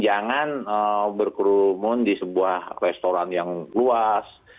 jangan berkerumun di sebuah restoran yang luas